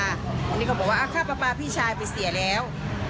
อันนี้เขาบอกว่าค่าปลาปลาพี่ชายไปเสียแล้ว